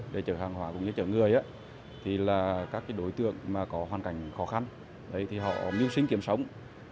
để chở hàng hóa cũng như chở người thì là các đối tượng mà có hoàn cảnh khó khăn đấy thì họ mưu sinh kiếm sống